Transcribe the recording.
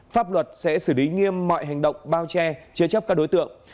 pháp luật sẽ xử lý nghiêm mọi hành động bao che chế chấp các đối tượng